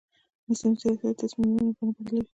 مصنوعي ځیرکتیا د تصمیم نیونې بڼه بدلوي.